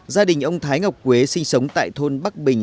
gia đình ông thái ngọc quế sinh sống tại thôn bắc bình